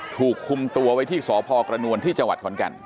ถูกคุมตัวไว้ที่สพกระนวลที่จขวัญกัน